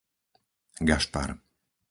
Gašpar